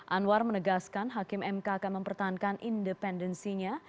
anwar menegaskan hakim mk akan mempertahankan independensinya